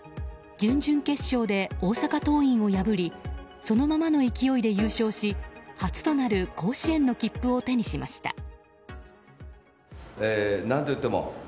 準々決勝で大阪桐蔭を破りそのままの勢いで優勝し初となる甲子園の切符を手にしました。